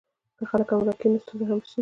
که خلک همکاري وکړي، نو ستونزه به حل شي.